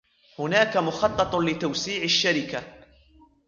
هناك مخطط لتوسيع الشركة.